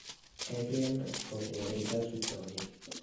Adrian scopre la verità su Tony.